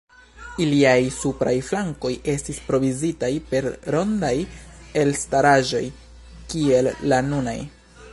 Iliaj supraj flankoj, estis provizitaj per rondaj elstaraĵoj, kiel la nunaj.